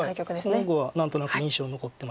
その碁は何となく印象に残ってまして。